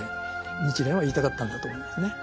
日蓮は言いたかったんだと思いますね。